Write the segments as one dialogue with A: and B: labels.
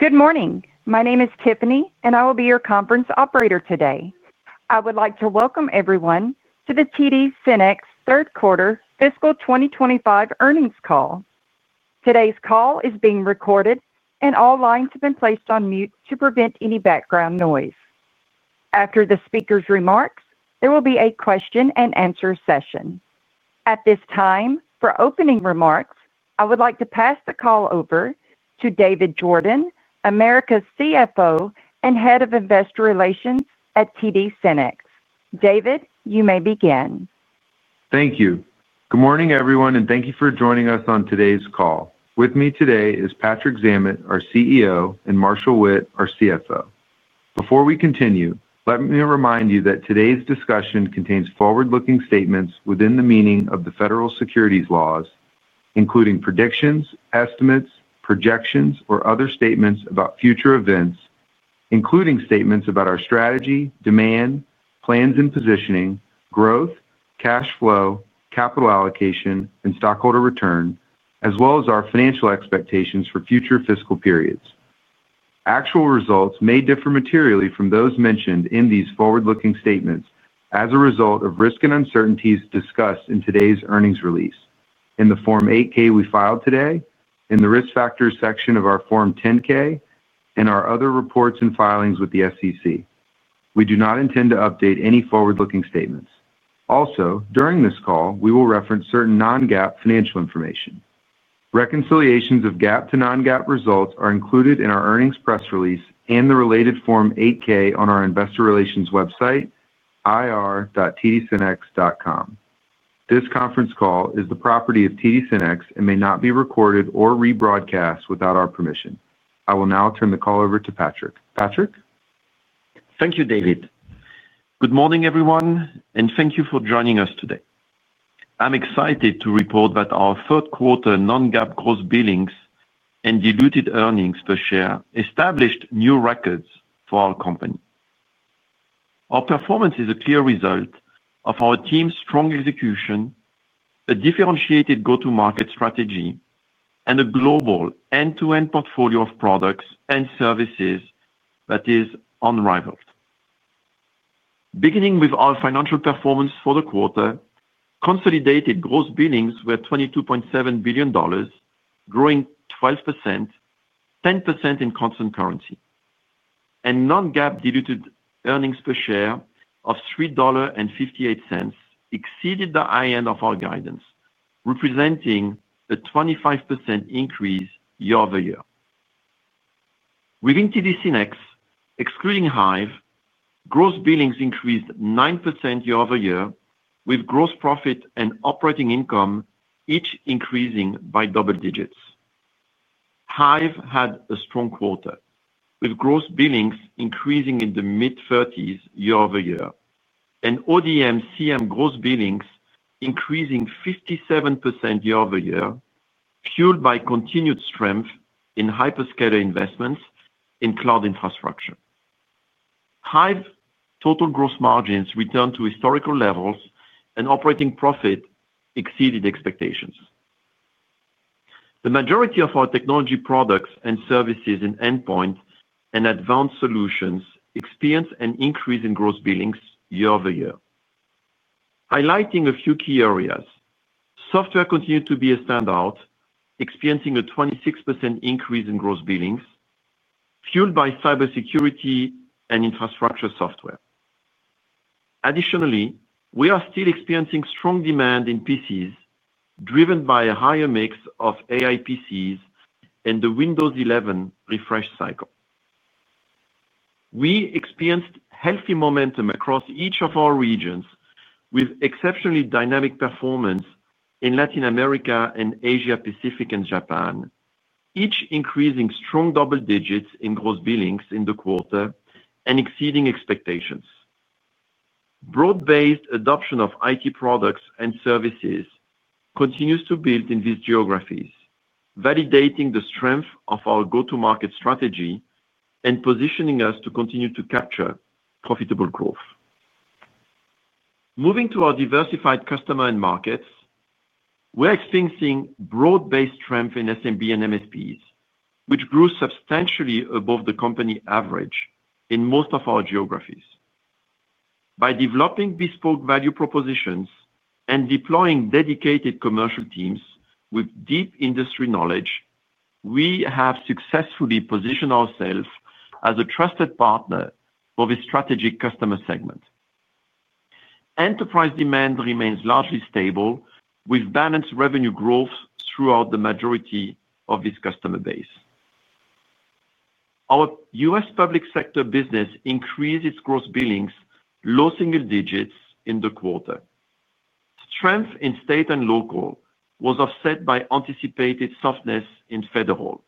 A: Good morning. My name is Tiffany, and I will be your conference operator today. I would like to welcome everyone to the TD SYNNEX Third Quarter Fiscal 2025 Earnings Call. Today's call is being recorded, and all lines have been placed on mute to prevent any background noise. After the speaker's remarks, there will be a question and answer session. At this time, for opening remarks, I would like to pass the call over to David Jordan, America's CFO and Head of Investor Relations at TD SYNNEX. David, you may begin.
B: Thank you. Good morning, everyone, and thank you for joining us on today's call. With me today is Patrick Zammit, our CEO, and Marshall Witt, our CFO. Before we continue, let me remind you that today's discussion contains forward-looking statements within the meaning of the Federal Securities Laws, including predictions, estimates, projections, or other statements about future events, including statements about our strategy, demand, plans and positioning, growth, cash flow, capital allocation, and stockholder return, as well as our financial expectations for future fiscal periods. Actual results may differ materially from those mentioned in these forward-looking statements as a result of risk and uncertainties discussed in today's earnings release, in the Form 8-K we filed today, in the Risk Factors section of our Form 10-K, and our other reports and filings with the SEC. We do not intend to update any forward-looking statements. Also, during this call, we will reference certain non-GAAP financial information. Reconciliations of GAAP to non-GAAP results are included in our earnings press release and the related Form 8-K on our Investor Relations website, ir.tdsynnex.com. This conference call is the property of TD SYNNEX and may not be recorded or rebroadcast without our permission. I will now turn the call over to Patrick. Patrick?
C: Thank you, David. Good morning, everyone, and thank you for joining us today. I'm excited to report that our third quarter non-GAAP gross billings and diluted earnings per share established new records for our company. Our performance is a clear result of our team's strong execution, a differentiated go-to-market strategy, and a global end-to-end portfolio of products and services that is unrivaled. Beginning with our financial performance for the quarter, consolidated gross billings were $22.7 billion, growing 12%, 10% in constant currency. Non-GAAP diluted earnings per share of $3.58 exceeded the high end of our guidance, representing a 25% increase year over year. Within TD SYNNEX, excluding HIVE, gross billings increased 9% year over year, with gross profit and operating income each increasing by double digits. HIVE had a strong quarter, with gross billings increasing in the mid-30s year over year, and ODM/CM gross billings increasing 57% year over year, fueled by continued strength in hyperscaler investments in cloud infrastructure. HIVE's total gross margins returned to historical levels, and operating profit exceeded expectations. The majority of our technology products and services in endpoint and advanced solutions experienced an increase in gross billings year over year. Highlighting a few key areas, software continued to be a standout, experiencing a 26% increase in gross billings, fueled by cybersecurity and infrastructure software. Additionally, we are still experiencing strong demand in PCs, driven by a higher mix of AI PCs and the Windows 11 refresh cycle. We experienced healthy momentum across each of our regions, with exceptionally dynamic performance in Latin America and Asia Pacific & Japan, each increasing strong double digits in gross billings in the quarter and exceeding expectations. Broad-based adoption of IT products and services continues to build in these geographies, validating the strength of our go-to-market strategy and positioning us to continue to capture profitable growth. Moving to our diversified customer and markets, we are experiencing broad-based strength in SMB and MSPs, which grew substantially above the company average in most of our geographies. By developing bespoke value propositions and deploying dedicated commercial teams with deep industry knowledge, we have successfully positioned ourselves as a trusted partner for this strategic customer segment. Enterprise demand remains largely stable, with balanced revenue growth throughout the majority of this customer base. Our U.S. public sector business increased its gross billings low single digits in the quarter. Strength in state and local was offset by anticipated softness in federal,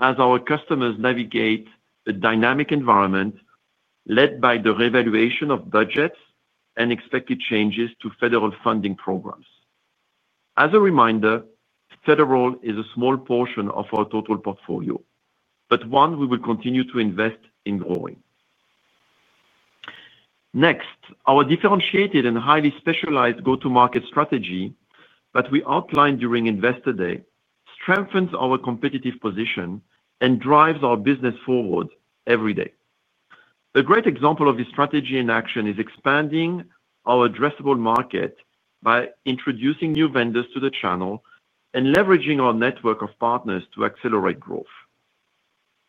C: as our customers navigate a dynamic environment led by the reevaluation of budgets and expected changes to federal funding programs. As a reminder, federal is a small portion of our total portfolio, but one we will continue to invest in growing. Next, our differentiated and highly specialized go-to-market strategy that we outlined during Investor Day strengthens our competitive position and drives our business forward every day. A great example of this strategy in action is expanding our addressable market by introducing new vendors to the channel and leveraging our network of partners to accelerate growth.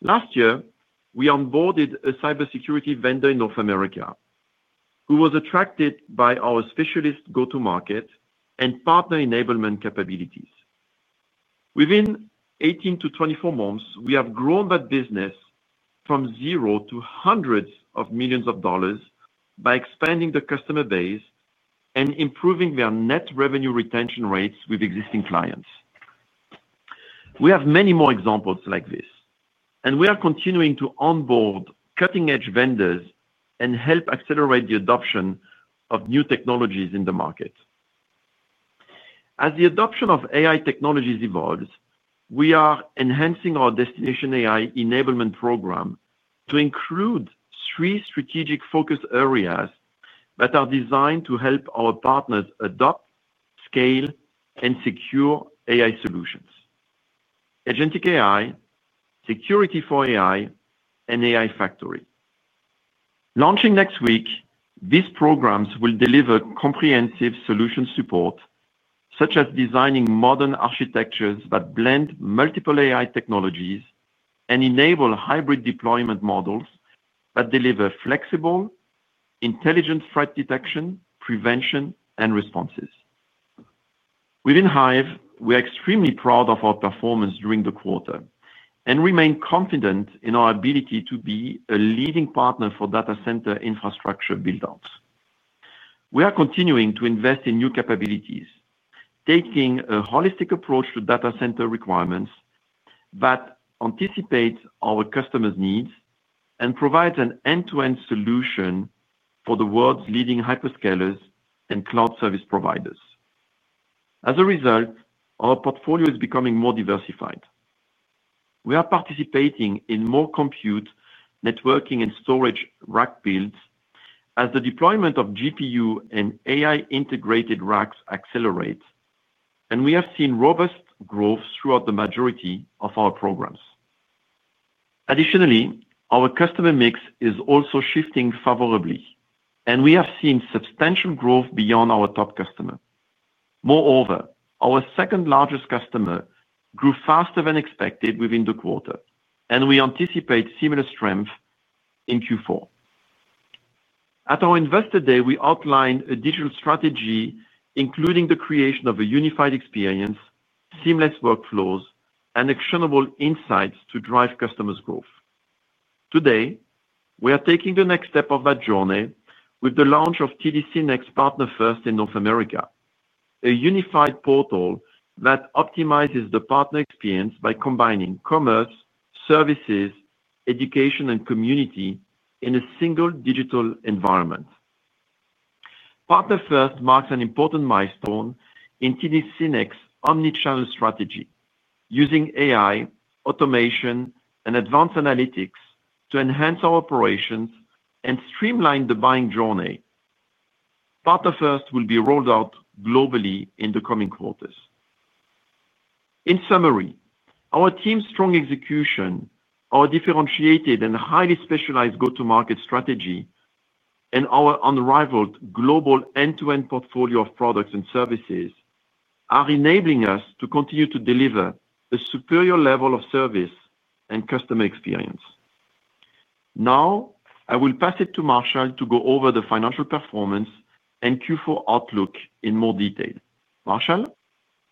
C: Last year, we onboarded a cybersecurity vendor in North America who was attracted by our specialist go-to-market and partner enablement capabilities. Within 18 to 24 months, we have grown that business from zero to hundreds of millions of dollars by expanding the customer base and improving their net revenue retention rates with existing clients. We have many more examples like this, and we are continuing to onboard cutting-edge vendors and help accelerate the adoption of new technologies in the market. As the adoption of AI technologies evolves, we are enhancing our Destination AI Enablement Program to include three strategic focus areas that are designed to help our partners adopt, scale, and secure AI solutions: Agentic AI, Security for AI, and AI Factory. Launching next week, these programs will deliver comprehensive solution support, such as designing modern architectures that blend multiple AI technologies and enable hybrid deployment models that deliver flexible, intelligent threat detection, prevention, and responses. Within HIVE, we are extremely proud of our performance during the quarter and remain confident in our ability to be a leading partner for data center infrastructure buildouts. We are continuing to invest in new capabilities, taking a holistic approach to data center requirements that anticipate our customers' needs and provide an end-to-end solution for the world's leading hyperscalers and cloud service providers. As a result, our portfolio is becoming more diversified. We are participating in more compute, networking, and storage rack builds as the deployment of GPU and AI-integrated racks accelerates, and we have seen robust growth throughout the majority of our programs. Additionally, our customer mix is also shifting favorably, and we have seen substantial growth beyond our top customer. Moreover, our second largest customer grew faster than expected within the quarter, and we anticipate similar strength in Q4. At our Investor Day, we outlined a digital strategy, including the creation of a unified experience, seamless workflows, and actionable insights to drive customers' growth. Today, we are taking the next step of that journey with the launch of TD SYNNEX Partner First in North America, a unified portal that optimizes the partner experience by combining commerce, services, education, and community in a single digital environment. Partner First marks an important milestone in TD SYNNEX's omnichannel strategy, using AI, automation, and advanced analytics to enhance our operations and streamline the buying journey. Partner First will be rolled out globally in the coming quarters. In summary, our team's strong execution, our differentiated and highly specialized go-to-market strategy, and our unrivaled global end-to-end portfolio of products and services are enabling us to continue to deliver a superior level of service and customer experience. Now, I will pass it to Marshall to go over the financial performance and Q4 outlook in more detail. Marshall?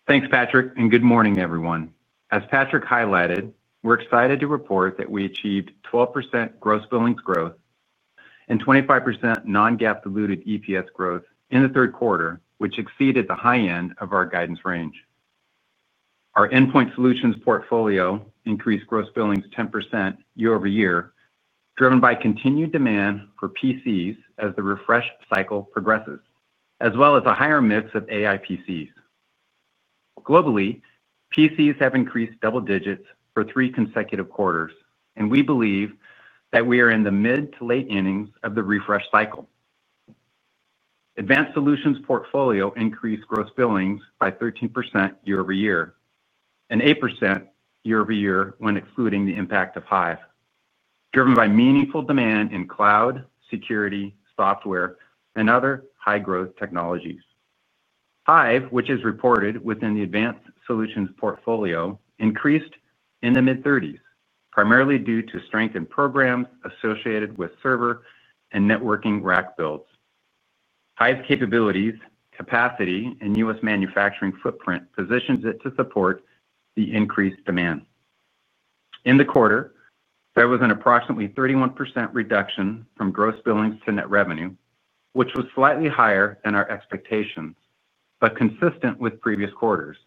D: Thanks, Patrick, and good morning, everyone. As Patrick highlighted, we're excited to report that we achieved 12% gross billings growth and 25% non-GAAP diluted EPS growth in the third quarter, which exceeded the high end of our guidance range. Our Endpoint Solutions portfolio increased gross billings 10% year over year, driven by continued demand for PCs as the refresh cycle progresses, as well as a higher mix of AI PCs. Globally, PCs have increased double digits for three consecutive quarters, and we believe that we are in the mid to late innings of the refresh cycle. Advanced Solutions portfolio increased gross billings by 13% year over year and 8% year over year when excluding the impact of HIVE, driven by meaningful demand in Cloud, Security, Software, and other high-growth technologies. HIVE, which is reported within the Advanced Solutions portfolio, increased in the mid-30s, primarily due to strengthened programs associated with server and Networking rack builds. HIVE's capabilities, capacity, and U.S. manufacturing footprint positions it to support the increased demand. In the quarter, there was an approximately 31% reduction from gross billings to net revenue, which was slightly higher than our expectation, but consistent with previous quarters.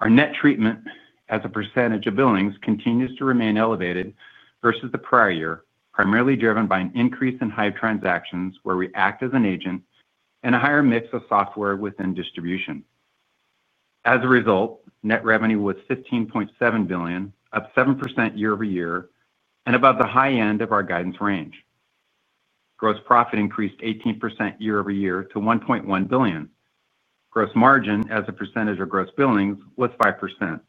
D: Our net treatment as a percentage of billings continues to remain elevated versus the prior year, primarily driven by an increase in HIVE transactions where we act as an agent and a higher mix of Software within distribution. As a result, net revenue was $15.7 billion, up 7% year over year and above the high end of our guidance range. Gross profit increased 18% year over year to $1.1 billion. Gross margin as a percentage of gross billings was 5%,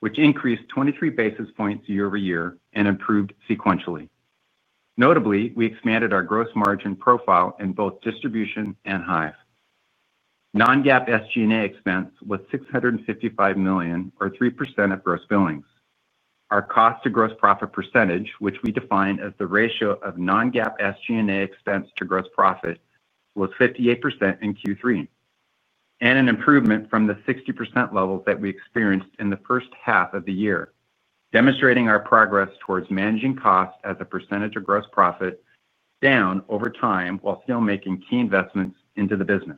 D: which increased 23 basis points year over year and improved sequentially. Notably, we expanded our gross margin profile in both distribution and HIVE. Non-GAAP SG&A expense was $655 million, or 3% of gross billings. Our cost-to-gross profit percentage, which we define as the ratio of non-GAAP SG&A expense to gross profit, was 58% in Q3, and an improvement from the 60% level that we experienced in the first half of the year, demonstrating our progress towards managing costs as a percentage of gross profit down over time while still making key investments into the business.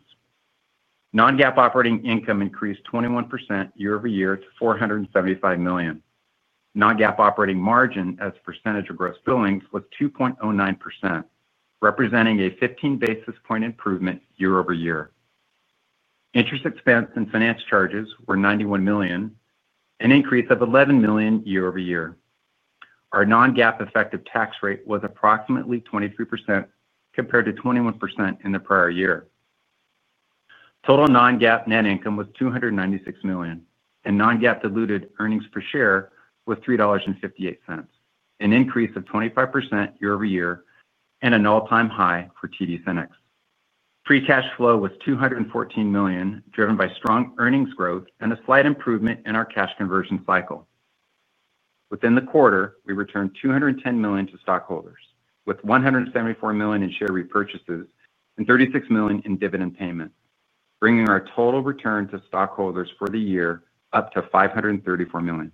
D: Non-GAAP operating income increased 21% year over year to $475 million. Non-GAAP operating margin as a percentage of gross billings was 2.09%, representing a 15 basis point improvement year over year. Interest expense and finance charges were $91 million, an increase of $11 million year over year. Our non-GAAP effective tax rate was approximately 23% compared to 21% in the prior year. Total non-GAAP net income was $296 million, and non-GAAP diluted earnings per share was $3.58, an increase of 25% year over year and an all-time high for TD SYNNEX. Free cash flow was $214 million, driven by strong earnings growth and a slight improvement in our cash conversion cycle. Within the quarter, we returned $210 million to stockholders, with $174 million in share repurchases and $36 million in dividend payments, bringing our total return to stockholders for the year up to $534 million.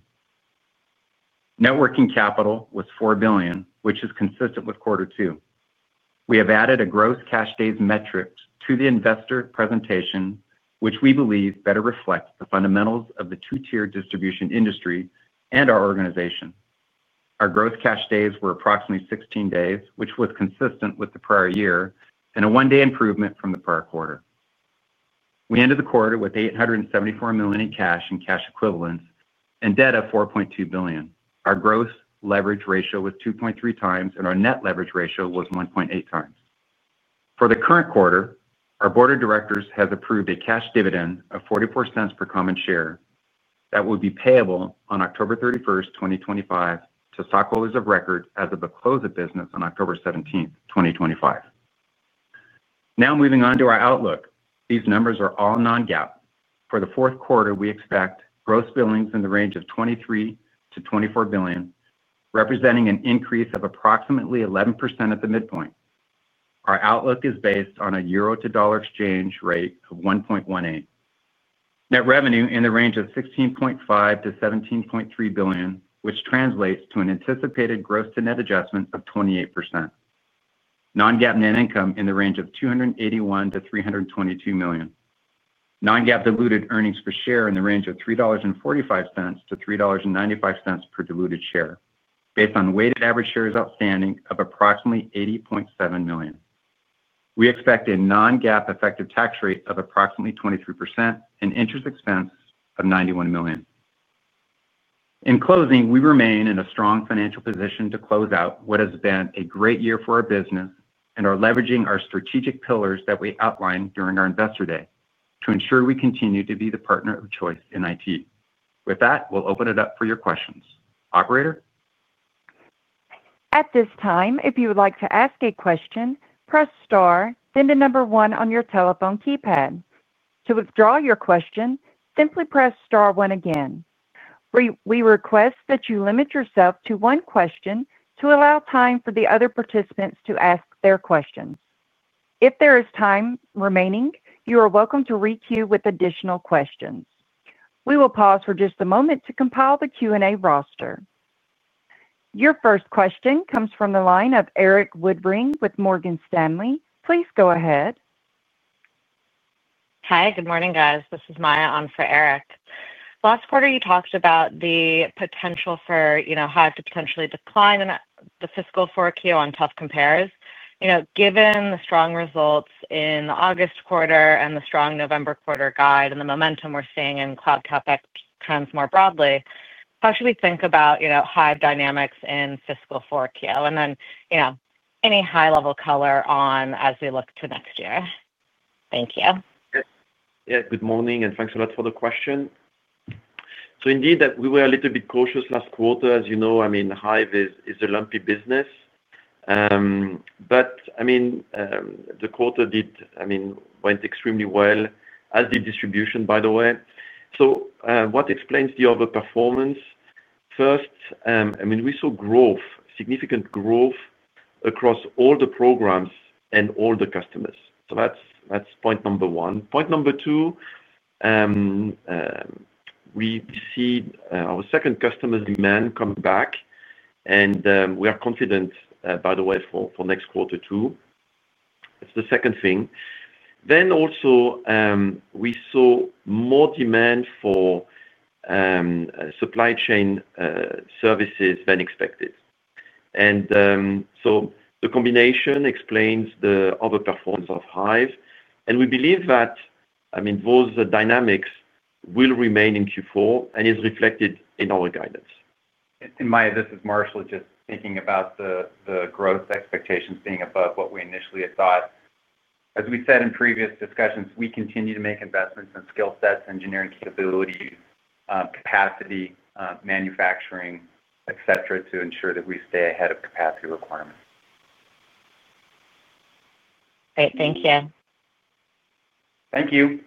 D: Working capital was $4 billion, which is consistent with quarter two. We have added a gross cash days metric to the investor presentation, which we believe better reflects the fundamentals of the two-tier distribution industry and our organization. Our gross cash days were approximately 16 days, which was consistent with the prior year, and a one-day improvement from the prior quarter. We ended the quarter with $874 million in cash and cash equivalents and debt of $4.2 billion. Our gross leverage ratio was 2.3 times, and our net leverage ratio was 1.8 times. For the current quarter, our board of directors has approved a cash dividend of $0.44 per common share that will be payable on October 31, 2025, to stockholders of record as of the close of business on October 17, 2025. Now moving on to our outlook, these numbers are all non-GAAP. For the fourth quarter, we expect gross billings in the range of $23 to $24 billion, representing an increase of approximately 11% at the midpoint. Our outlook is based on a euro-to-dollar exchange rate of 1.18. Net revenue in the range of $16.5 to $17.3 billion, which translates to an anticipated gross-to-net adjustment of 28%. Non-GAAP net income in the range of $281 to $322 million. Non-GAAP diluted earnings per share in the range of $3.45 to $3.95 per diluted share, based on weighted average shares outstanding of approximately 80.7 million. We expect a non-GAAP effective tax rate of approximately 23% and interest expense of $91 million. In closing, we remain in a strong financial position to close out what has been a great year for our business and are leveraging our strategic pillars that we outlined during our Investor Day to ensure we continue to be the partner of choice in IT. With that, we'll open it up for your questions. Operator?
A: At this time, if you would like to ask a question, press star, then the number one on your telephone keypad. To withdraw your question, simply press star one again. We request that you limit yourself to one question to allow time for the other participants to ask their questions. If there is time remaining, you are welcome to re-queue with additional questions. We will pause for just a moment to compile the Q&A roster. Your first question comes from the line of Eric Woodring with Morgan Stanley. Please go ahead.
E: Hi, good morning, guys. This is Maya Arms for Eric. Last quarter, you talked about the potential for HIVE to potentially decline in the fiscal forecast on tough compares. Given the strong results in the August quarter and the strong November quarter guide and the momentum we're seeing in Cloud CapEx trends more broadly, how should we think about HIVE dynamics in fiscal forecast and any high-level color on as we look to next year? Thank you.
C: Yeah, good morning and thanks a lot for the question. Indeed, we were a little bit cautious last quarter. As you know, HIVE is a lumpy business. The quarter went extremely well, as did distribution, by the way. What explains the overperformance? First, we saw growth, significant growth across all the programs and all the customers. That's point number one. Point number two, we see our second customer's demand coming back, and we are confident, by the way, for next quarter too. It's the second thing. We also saw more demand for supply chain services than expected. The combination explains the overperformance of HIVE, and we believe that those dynamics will remain in Q4 and is reflected in our guidance.
D: Maya, this is Marshall just thinking about the growth expectations being above what we initially had thought. As we said in previous discussions, we continue to make investments in skill sets, engineering capabilities, capacity, manufacturing, et cetera, to ensure that we stay ahead of capacity requirements. Great, thank you. Thank you.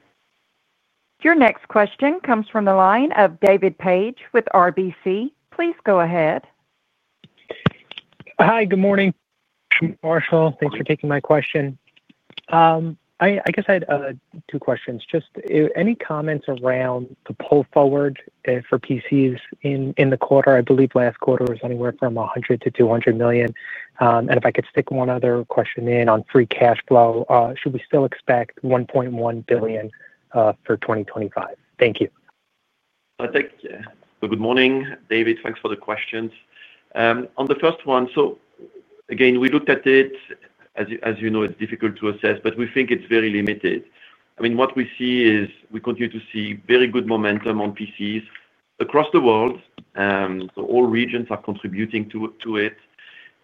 A: Your next question comes from the line of David Page with RBC. Please go ahead.
F: Hi, good morning. Marshall, thanks for taking my question. I guess I had two questions. Just any comments around the pull forward for PCs in the quarter? I believe last quarter was anywhere from $100 to $200 million. If I could stick one other question in on free cash flow, should we still expect $1.1 billion for 2025? Thank you.
C: Thanks. Good morning, David. Thanks for the questions. On the first one, we looked at it. As you know, it's difficult to assess, but we think it's very limited. What we see is we continue to see very good momentum on PCs across the world. All regions are contributing to it.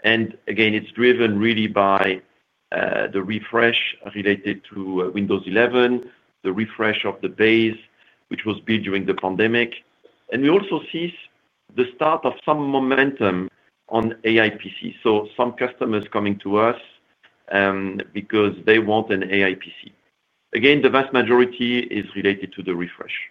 C: It's driven really by the refresh related to Windows 11, the refresh of the base, which was built during the pandemic. We also see the start of some momentum on AI PCs, some customers coming to us because they want an AI PC. The vast majority is related to the refresh.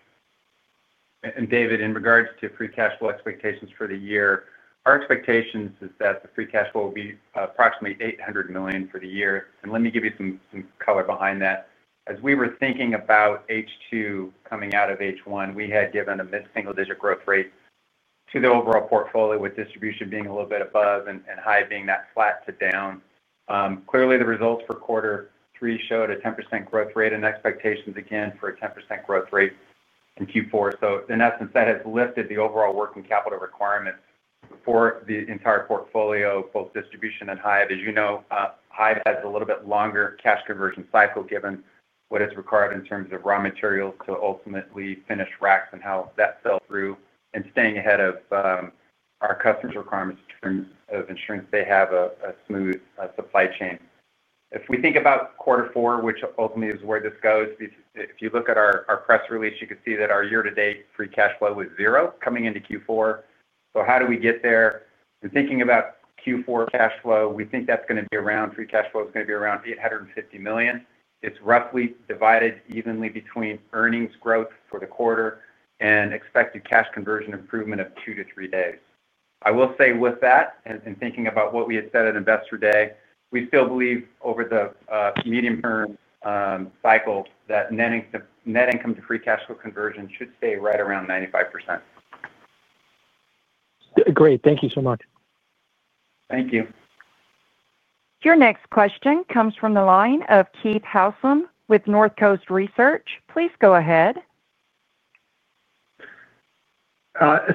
D: David, in regards to free cash flow expectations for the year, our expectation is that the free cash flow will be approximately $800 million for the year. Let me give you some color behind that. As we were thinking about H2 coming out of H1, we had given a mid-single-digit growth rate to the overall portfolio, with distribution being a little bit above and HIVE being flat to down. Clearly, the results for quarter three showed a 10% growth rate and expectations again for a 10% growth rate in Q4. In essence, that has lifted the overall working capital requirements for the entire portfolio, both distribution and HIVE. As you know, HIVE has a little bit longer cash conversion cycle, given what is required in terms of raw materials to ultimately finish racks and how that sells through and staying ahead of our customers' requirements in terms of ensuring that they have a smooth supply chain. If we think about quarter four, which ultimately is where this goes, if you look at our press release, you can see that our year-to-date free cash flow was zero coming into Q4. How do we get there? Thinking about Q4 cash flow, we think free cash flow is going to be around $850 million. It's roughly divided evenly between earnings growth for the quarter and expected cash conversion improvement of two to three days. I will say with that, and thinking about what we had said at Investor Day, we still believe over the medium-term cycle that net income to free cash flow conversion should stay right around 95%.
F: Great, thank you so much. Thank you.
A: Your next question comes from the line of Keith Housum with North Coast Research. Please go ahead.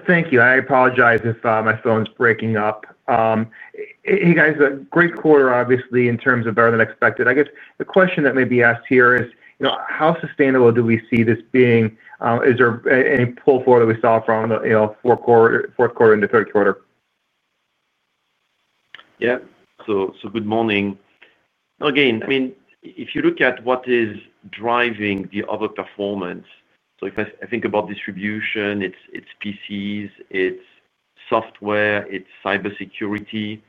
G: Thank you. I apologize if my phone's breaking up. Hey, guys, great quarter, obviously, in terms of better than expected. I guess the question that may be asked here is, you know, how sustainable do we see this being? Is there any pull forward that we saw from, you know, fourth quarter into third quarter?
C: Good morning. If you look at what is driving the overperformance, if I think about distribution, it's PCs, it's software, it's cybersecurity,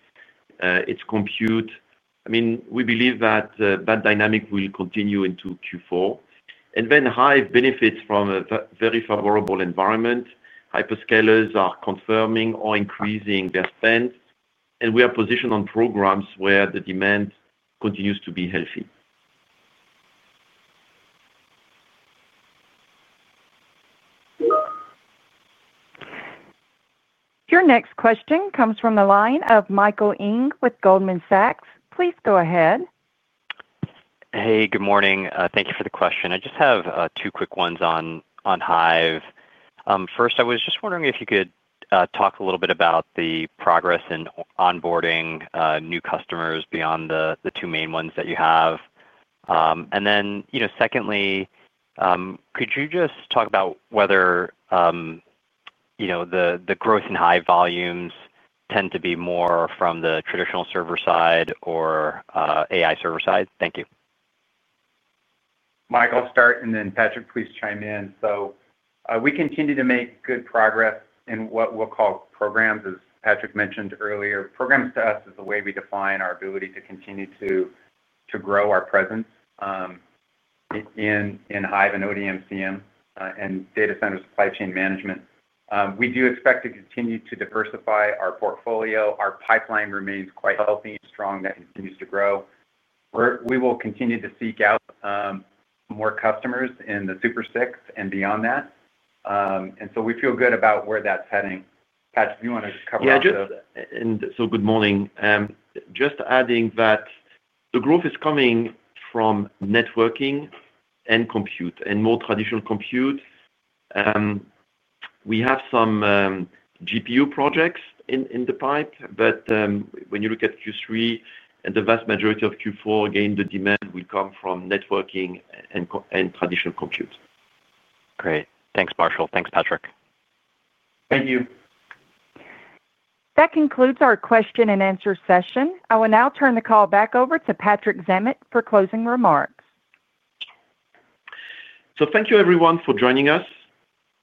C: it's compute. We believe that that dynamic will continue into Q4. HIVE benefits from a very favorable environment. Hyperscalers are confirming or increasing their spend, and we are positioned on programs where the demand continues to be healthy.
A: Your next question comes from the line of Michael Ng with Goldman Sachs. Please go ahead.
H: Hey, good morning. Thank you for the question. I just have two quick ones on HIVE. First, I was just wondering if you could talk a little bit about the progress in onboarding new customers beyond the two main ones that you have. Could you just talk about whether the growth in HIVE volumes tends to be more from the traditional server side or AI server side? Thank you.
D: Mike, I'll start, and then Patrick, please chime in. We continue to make good progress in what we'll call programs, as Patrick mentioned earlier. Programs to us is the way we define our ability to continue to grow our presence in HIVE and ODM/CM and data center supply chain management. We do expect to continue to diversify our portfolio. Our pipeline remains quite healthy and strong. That continues to grow. We will continue to seek out more customers in the Super 6 and beyond that. We feel good about where that's heading. Patrick, do you want to cover that?
C: Good morning. Just adding that the growth is coming from networking and compute and more traditional compute. We have some GPU projects in the pipe, but when you look at Q3 and the vast majority of Q4, again, the demand will come from networking and traditional compute. Great.
H: Thanks, Marshall. Thanks, Patrick.
C: Thank you.
A: That concludes our question and answer session. I will now turn the call back over to Patrick Zammit for closing remarks.
C: Thank you, everyone, for joining us.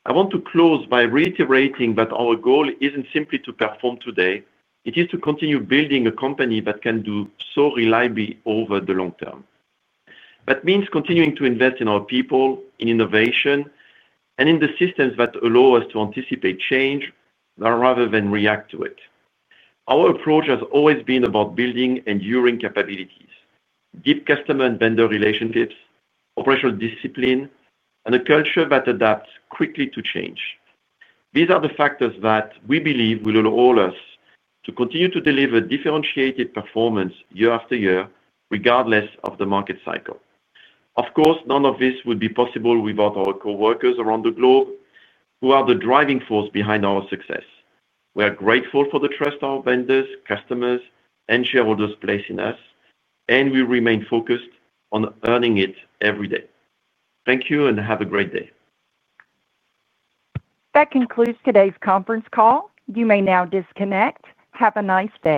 C: I want to close by reiterating that our goal isn't simply to perform today. It is to continue building a company that can do so reliably over the long term. That means continuing to invest in our people, in innovation, and in the systems that allow us to anticipate change rather than react to it. Our approach has always been about building enduring capabilities, deep customer and vendor relationships, operational discipline, and a culture that adapts quickly to change. These are the factors that we believe will allow us to continue to deliver differentiated performance year after year, regardless of the market cycle. Of course, none of this would be possible without our coworkers around the globe, who are the driving force behind our success. We are grateful for the trust our vendors, customers, and shareholders place in us, and we remain focused on earning it every day. Thank you and have a great day.
A: That concludes today's conference call. You may now disconnect. Have a nice day.